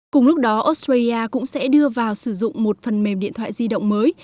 cùng lúc đó australia cũng sẽ đưa vào sử dụng một phần mềm điện thoại di động mới